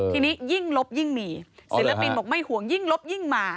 ทีนี้ยิ่งลบยิ่งมีศิลปินบอกไม่ห่วงยิ่งลบยิ่งมา